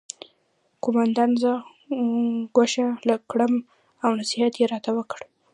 قومندان زه ګوښه کړم او نصیحت یې راته وکړ